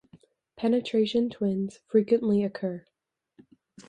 Penetration twins frequently occur.